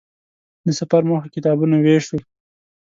د سفر موخه کتابونو وېش و.